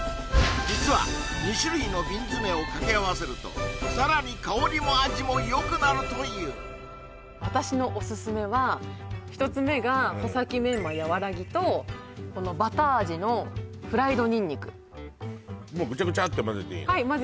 実は２種類の瓶詰を掛け合わせるとさらに香りも味もよくなるという私のオススメは１つ目が穂先メンマやわらぎとこのバター味のフライドにんにくもうグチャグチャってまぜていいの？